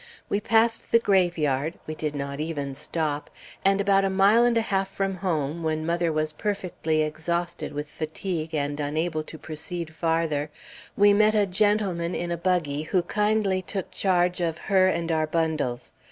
We passed the graveyard, we did not even stop, and about a mile and a half from home, when mother was perfectly exhausted with fatigue and unable to proceed farther, we met a gentleman in a buggy who kindly took charge of her and our bundles.